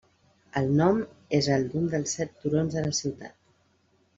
El nom és el d'un dels set turons de la ciutat.